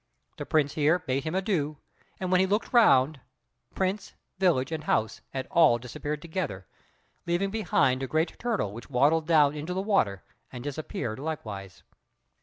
The prince here bade him adieu, and when he looked round, Prince, village, and house had all disappeared together, leaving behind a great turtle which waddled down into the water, and disappeared likewise.